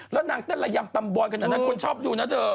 แล้วนางเต้นระยำตำบอยขนาดนั้นคนชอบดูนะเธอ